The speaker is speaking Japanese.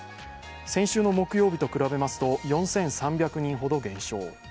先週の木曜日と比べると４３００人ほど減少。